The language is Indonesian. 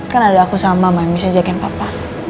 kan ada aku sama mami saya ajakin papa